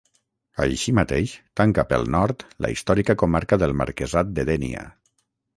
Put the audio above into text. Així mateix, tanca pel nord la històrica comarca del marquesat de Dénia.